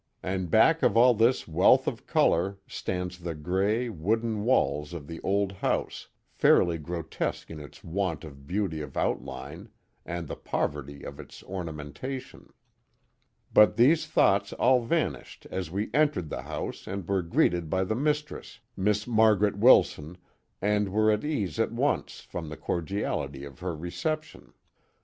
And back of all this wealth of color stands the gray, wooden walls of the old house, fairly gro tesque in its want of beauty of outline, and the poverty of its ornamentation. But these thoughts all vanished as we entered the house and were greeted by the mistress, Miss Margaret Wilson, and were at ease at once, from the cordiality of her reception.